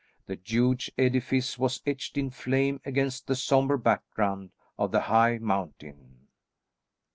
The huge edifice was etched in flame against the sombre background of the high mountain.